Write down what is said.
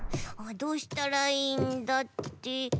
どうしたらいいんだって。